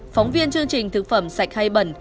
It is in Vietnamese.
phóng viên chương trình thực phẩm sạch hay bẩn